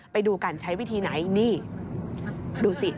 ไปดูกันใช้วิธีไหนนี่ดูสิ